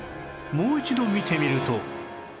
もう一度見てみると